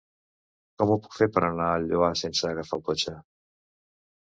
Com ho puc fer per anar al Lloar sense agafar el cotxe?